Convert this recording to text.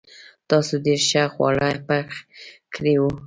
تاسو ډېر ښه خواړه پخ کړي وو.